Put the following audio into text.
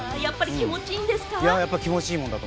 気持ちいいです。